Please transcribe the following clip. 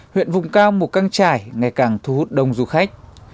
huyện vùng cao mù căng trải ngày càng thu hút đông du khách